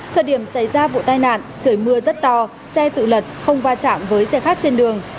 thời điểm xảy ra vụ tai nạn trời mưa rất to xe tự lật không va chạm với xe khác trên đường